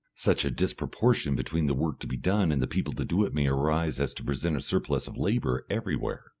Such a disproportion between the work to be done and the people to do it may arise as to present a surplus of labour everywhere.